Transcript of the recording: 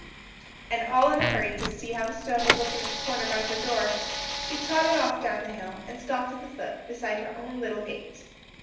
And, all in a hurry to see how the stone would look in its corner by her door, she trotted off down the hill, and stopped at the foot, beside her own little gate.